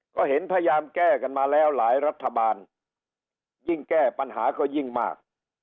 ก็เห็นพยายามแก้กันมาแล้วหลายรัฐบาลยิ่งแก้ปัญหาก็ยิ่งมาก